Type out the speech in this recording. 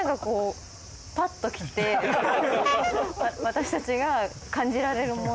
私たちが感じられるもの。